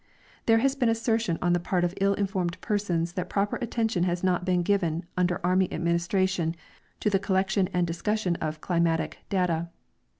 There has been assertion on the part of ill informed persons that proper attention has not been given under army adminis tration to the collection and discussion of climatic data.